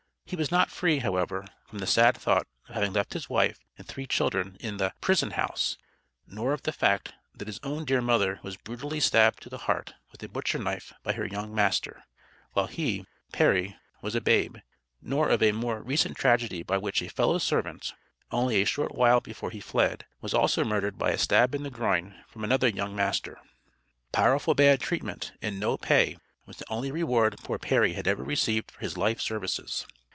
He was not free, however, from the sad thought of having left his wife and three children in the "prison house," nor of the fact that his own dear mother was brutally stabbed to the heart with a butcher knife by her young master, while he (Perry) was a babe; nor of a more recent tragedy by which a fellow servant, only a short while before he fled, was also murdered by a stab in the groin from another young master. "Powerful bad" treatment, and "no pay," was the only reward poor Perry had ever received for his life services.